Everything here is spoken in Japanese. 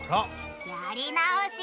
やり直し！